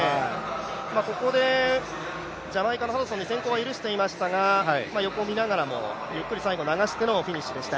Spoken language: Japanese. ここで、ジャマイカのハドソンに先行は許していましたが横を見ながらも、ゆっくり最後流してのフィニッシュでした。